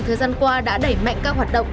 thời gian qua đã đẩy mạnh các hoạt động